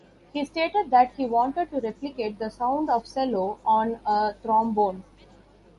He stated that he wanted to replicate the sound of cello on a trombone.